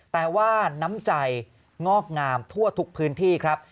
แต่ว่าน้ำใจงอกงามทั่วทุกพื้นที่ครับ